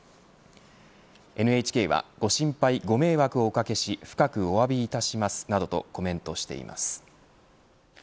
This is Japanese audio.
ＮＨＫはご心配、ご迷惑をおかけし深くお詫びいたしますなどとコメントしています。